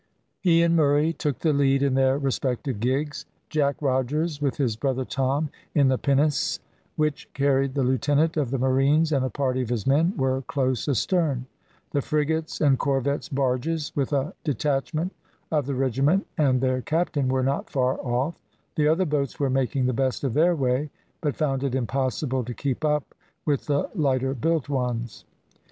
He and Murray took the lead in their respective gigs. Jack Rogers, with his brother Tom in the pinnace, which carried the lieutenant of the marines and a party of his men, were close astern. The frigate's and corvette's barges, with a detachment of the regiment and their captain, were not far off; the other boats were making the best of their way, but found it impossible to keep up with the lighter built ones.